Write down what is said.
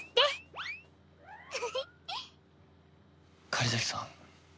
狩崎さん